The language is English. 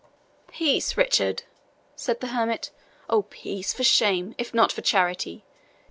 "Peace, Richard," said the hermit "oh, peace, for shame, if not for charity!